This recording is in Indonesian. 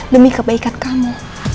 demi kebaikan kamu